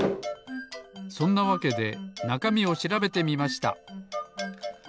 そんなわけでなかみをしらべてみました。